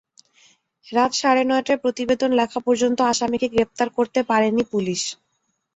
রাত সাড়ে নয়টায় প্রতিবেদন লেখা পর্যন্ত আসামিকে গ্রেপ্তার করতে পারেনি পুলিশ।